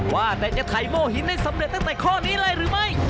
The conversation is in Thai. ว่าแต่จะไข่โม่หินได้สำเร็จตั้งแต่ข้อนี้เลยหรือไม่